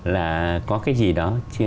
là có cái gì đó